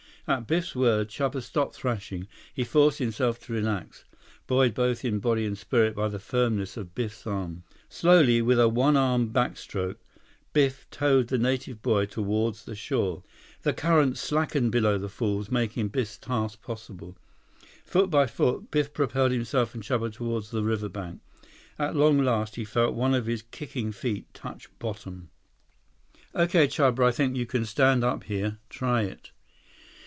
At Biff's words Chuba stopped thrashing. He forced himself to relax, buoyed both in body and spirit by the firmness of Biff's arm. Slowly, with a one armed backstroke, Biff towed the native boy toward the shore. The current slackened below the falls, making Biff's task possible. Foot by foot, Biff propelled himself and Chuba toward the riverbank. At long last, he felt one of his kicking feet touch bottom. 104 "Okay, Chuba. I think you can stand up here. Try it."